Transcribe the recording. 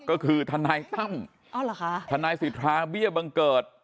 ก็คือทนายตั้มทนายสิทธาเบี้ยบังเกิด